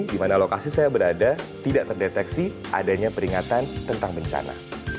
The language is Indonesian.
di mana lokasi saya berada tidak terdeteksi adanya peringatan tentang bencana